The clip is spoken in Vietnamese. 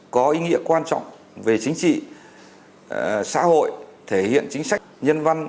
có ý nghĩa quan trọng về chính trị xã hội thể hiện chính sách nhân văn